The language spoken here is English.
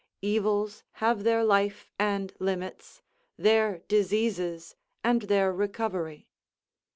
Evils have their life and limits, their diseases and their recovery.